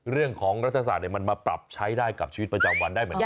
รัฐศาสตร์มันมาปรับใช้ได้กับชีวิตประจำวันได้เหมือนกัน